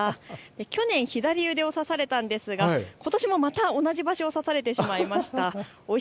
去年、左腕を刺されたんですがことしもまた同じ場所を刺されてしまいました。